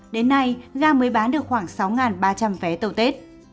đến nay ga mới bán được khoảng sáu ba trăm linh vé tàu tết